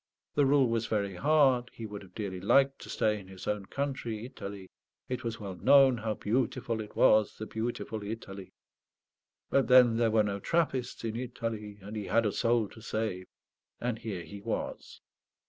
The rule was very hard; he would have dearly liked to stay in his own country, Italy it was well known how beautiful it was, the beautiful Italy; but then there were no Trappists in Italy; and he had a soul to save; and here he was.